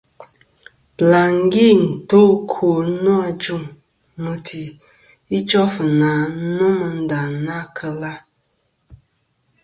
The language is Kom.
Bɨlàŋgi nto ɨkwo nô ajuŋ mɨti ijof na nomɨ nda na kel a.